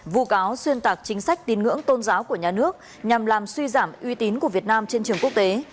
vụ cáo xuyên tạc chính sách tín ngưỡng tôn giáo của nhà nước nhằm làm suy giảm uy tín của việt nam trên trường quốc tế